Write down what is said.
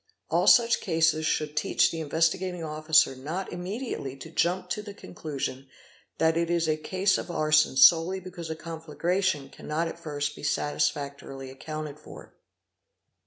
All such cases should teach the Investigating — Officer not immediately to jump to the conclusion that it is a case of arson solely because a conflagration cannot at first be satisfactorily accounted for.